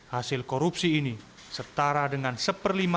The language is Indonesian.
hasil korupsi ini setara dengan kemiskinan